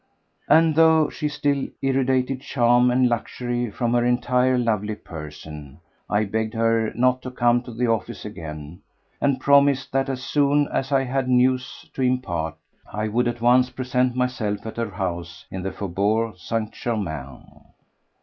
And though she still irradiated charm and luxury from her entire lovely person, I begged her not to come to the office again, and promised that as soon as I had any news to impart I would at once present myself at her house in the Faubourg St. Germain.